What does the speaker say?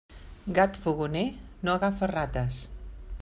Gat fogoner no agafa rates.